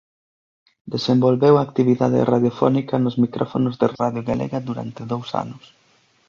Desenvolveu a actividade radiofónica nos micrófonos de Radio Galega durante dous anos.